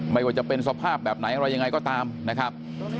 ไม่ว่าจะเป็นสภาพแบบไหนอะไรยังไงก็ตามนะครับ